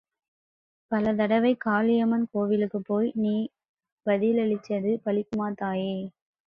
பலதடவை காளியம்மன் கோவிலுக்குப்போய் நீ பதிலளிச்சது பலிக்குமா தாயே?